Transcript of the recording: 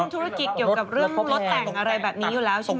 ธุรกิจเกี่ยวกับเรื่องพวกรถแต่งอะไรแบบนี้อยู่แล้วใช่ไหม